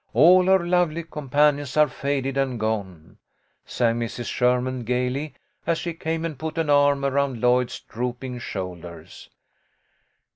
All her lovely companions are faded and gone,' " sang Mrs. Sherman, gaily, as she came and put an arm around Lloyd's drooping shoulders.